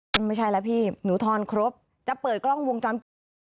ก็ไม่ใช่แล้วพี่หนูทอนครบจะเปิดกล้องวงจรปิด